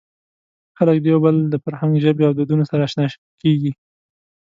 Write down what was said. خلک د یو بل د فرهنګ، ژبې او دودونو سره اشنا کېږي.